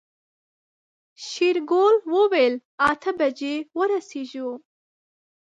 شېرګل وويل اته بجې ورسيږو.